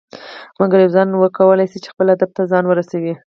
مګر یو ځوان وکړى شوى خپل هدف ته ځان ورسوي.